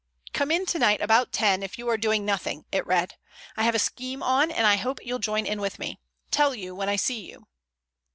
"Come in tonight about ten if you are doing nothing," it read. "I have a scheme on, and I hope you'll join in with me. Tell you when I see you."